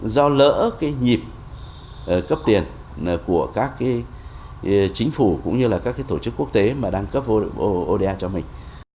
do lỡ cái nhịp cấp tiền của các chính phủ cũng như là các cái tổ chức quốc tế mà đang cấp vô oda cho mình